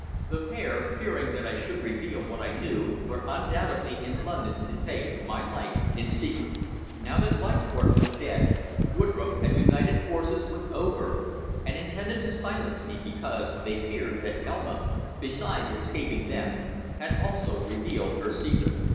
The pair, fearing that I should reveal what I knew, were undoubtedly in London to take my life in secret. Now that Leithcourt was dead, Woodroffe had united forces with Oberg, and intended to silence me because they feared that Elma, besides escaping them, had also revealed her secret.